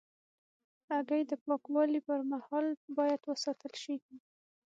هګۍ د پاکوالي پر مهال باید وساتل شي.